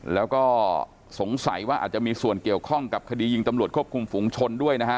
แล้วก็สงสัยว่าอาจจะมีส่วนเกี่ยวข้องกับคดียิงตำรวจควบคุมฝุงชนด้วยนะฮะ